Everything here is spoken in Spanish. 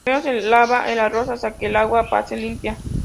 Primero se lava el arroz hasta que el agua pase limpia.